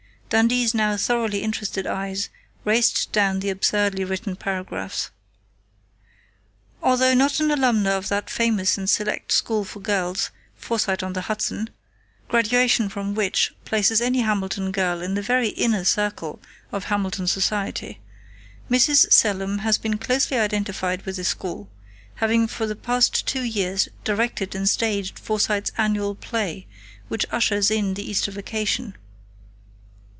Dundee's now thoroughly interested eyes raced down the absurdly written paragraphs: "Although not an alumna of that famous and select school for girls, Forsyte on the Hudson, graduation from which places any Hamilton girl in the very inner circle of Hamilton society, Mrs. Selim has been closely identified with the school, having for the past two years directed and staged Forsyte's annual play which ushers in the Easter vacation.